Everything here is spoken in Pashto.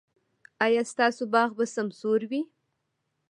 ایا ستاسو باغ به سمسور وي؟